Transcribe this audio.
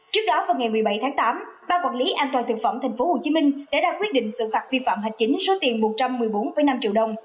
trước đó vào ngày một mươi bảy tháng tám ban quản lý an toàn thực phẩm tp hcm đã ra quyết định xử phạt vi phạm hạch chính số tiền một trăm một mươi bốn năm triệu đồng